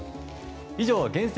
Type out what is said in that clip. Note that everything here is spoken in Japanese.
以上、厳選！